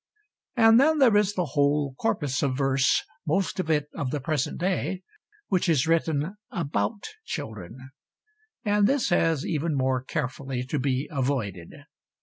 And then there is the whole corpus of verse most of it of the present day which is written about children, and this has even more carefully to be avoided.